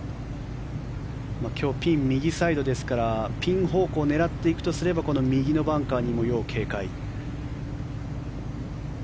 今日、ピンは右サイドですからピン方向を狙っていくとすればこの右のバンカーにも要警戒。